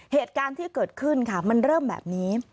เหตุการณ์ที่เกิดขึ้นค่ะมันเริ่มแบบนี้